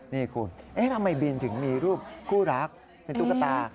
นี่คุณทำไมบินถึงมีรูปคู่รักในตู้กระตา